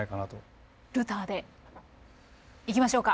ルターでいきましょうか？